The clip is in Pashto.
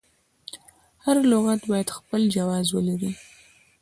هر لغت باید خپل جواز ولري.